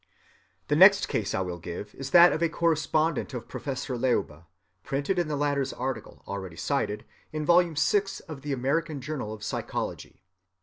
The next case I will give is that of a correspondent of Professor Leuba, printed in the latter's article, already cited, in vol. vi. of the American Journal of Psychology.